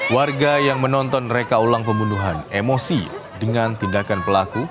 warga yang menonton reka ulang pembunuhan emosi dengan tindakan pelaku